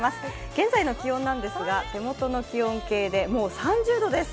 現在の気温なんですが、手元の気温計で、もう３０度です。